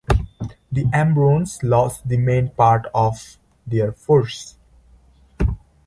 The Ambrones lost the main part of their force.